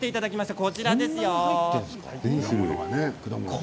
こちらですよ。